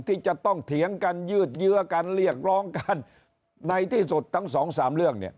ที่จะต้องเถียงกันยืดเยื้อกันเรียกร้องกันในที่สุดทั้งสองสามเรื่องเนี่ย